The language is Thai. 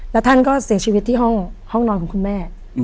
แล้วท่านก็เสียชีวิตที่ห้องนอนของคุณแม่